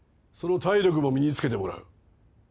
その体力も身につけてもらう。